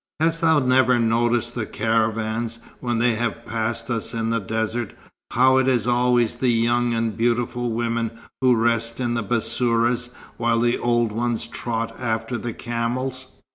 "Hast thou never noticed the caravans, when they have passed us in the desert, how it is always the young and beautiful women who rest in the bassourahs, while the old ones trot after the camels?"